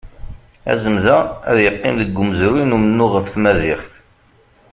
Azmez-a, ad yeqqim deg umezruy n umennuɣ ɣef tmaziɣt.